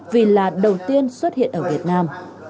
vì là đầu tiên xuất hiện ở việt nam